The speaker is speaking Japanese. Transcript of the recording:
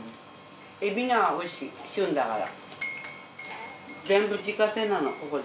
エビがおいしい旬だから。